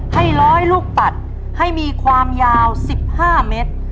ให้ร้อยลูกปัดให้มีความยาว๑๕เมตร